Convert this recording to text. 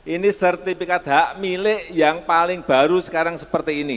ini sertifikat hak milik yang paling baru sekarang seperti ini